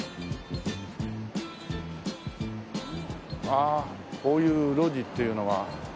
ああこういう路地っていうのは。